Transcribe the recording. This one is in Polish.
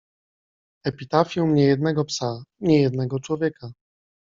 epitafium niejednego psa - niejednego człowieka.